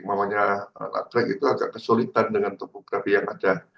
namanya nagrek itu agak kesulitan dengan topografi yang ada